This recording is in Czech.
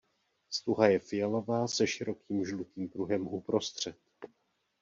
Stuha je fialová se širokým žlutým pruhem uprostřed.